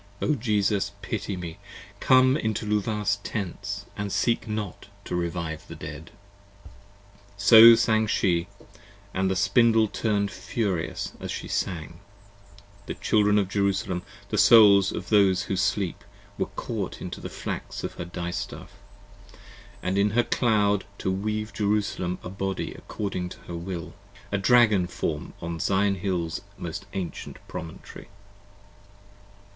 O Jesus pity me! Come into Luvah's Tents and seek not to revive the Dead! So sang she: and the Spindle turn'd furious as she sang: The Children of Jerusalem, the Souls of those who sleep, Were caught into the flax of her DistafF, & in her Cloud, 35 To weave Jerusalem a body according to her will, A Dragon form on Zion Hill's most ancient promontory.